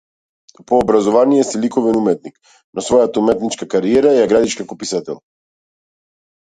По образование си ликовен уметник, но својата уметничка кариера ја градиш како писател.